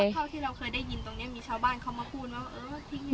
มีแม่ข้าวที่เราเคยได้ยินตรงนี้มีชาวบ้านเค้ามาพูดว่าเออทิ้งไง